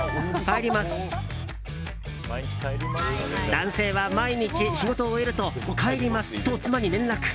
男性は毎日、仕事を終えると帰りますと妻に連絡。